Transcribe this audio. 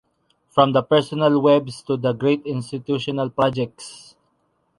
From the personal webs to the great institutional projects.